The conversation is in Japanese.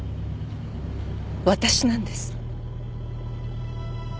私なんです。